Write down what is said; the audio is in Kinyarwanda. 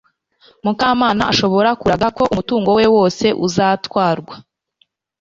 mukamana ashobora kuraga ko umutungo we wose uzatwarwa